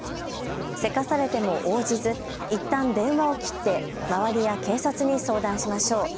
せかされても応じずいったん電話を切って周りや警察に相談しましょう。